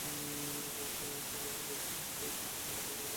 সময়ের প্রবাহে এখন সেটা পরিবর্তিত হয়েছে বিজ্ঞাপন জগতের অন্যতম কাঙ্ক্ষিত আয়োজনে।